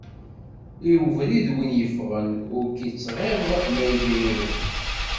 I ubrid win i yeffɣen, ur k-yettɣiḍ ma yegrireb.